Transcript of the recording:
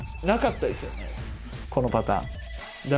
なかったですよね、このパターン。